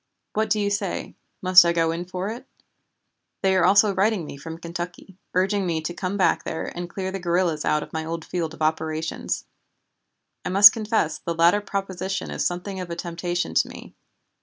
What do you say, must I go in for it? They are also writing me from Kentucky urging me to come back there and clear the guerrillas out of my old field of operations. I must confess the latter proposition is something of a temptation to me.